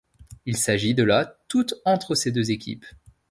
Il s'agit de la toute entre ces deux équipes.